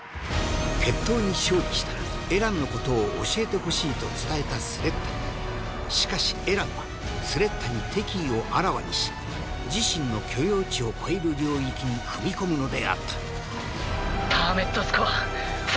決闘に勝利したらエランのことを教えてほしいと伝えたスレッタしかしエランはスレッタに敵意をあらわにし自身の許容値を超える領域に踏み込むのであったパーメットスコア４。